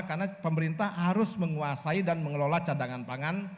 karena pemerintah harus menguasai dan mengelola cadangan pangan